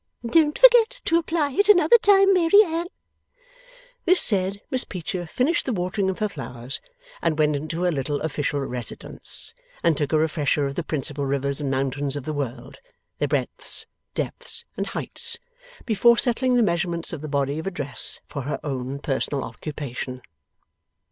Don't forget to apply it, another time, Mary Anne.' This said, Miss Peecher finished the watering of her flowers, and went into her little official residence, and took a refresher of the principal rivers and mountains of the world, their breadths, depths, and heights, before settling the measurements of the body of a dress for her own personal occupation.